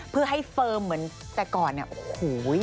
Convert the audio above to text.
เพื่อให้เฟิร์มเหมือนแต่ก่อนเนี่ยโอ้โห